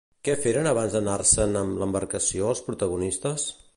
Què feren abans d'anar-se'n amb l'embarcació els protagonistes?